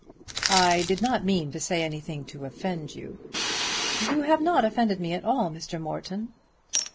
"I did not mean to say anything to offend you." "You have not offended me at all, Mr. Morton."